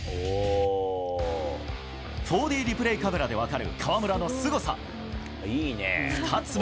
４Ｄリプレイカメラで分かる河村のすごさ。